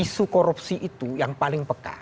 isu korupsi itu yang paling peka